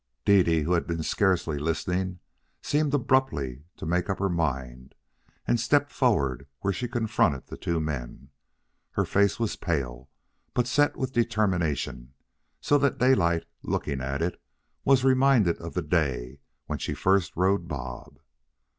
Dede, who had been scarcely listening, seemed abruptly to make up her mind, and stepped forward where she confronted the two men. Her face was pale, but set with determination, so that Daylight, looking at it, was reminded of the day when she first rode Bob.